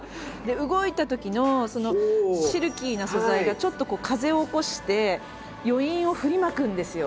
動いたときのそのシルキーな素材がちょっと風を起こして余韻を振りまくんですよ。